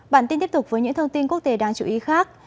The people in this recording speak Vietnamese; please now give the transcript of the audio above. bản tin tiếp tục với những thông tin quốc tế đáng chú ý khác